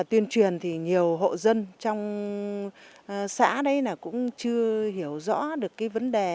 tuyên truyền thì nhiều hộ dân trong xã đấy cũng chưa hiểu rõ được cái vấn đề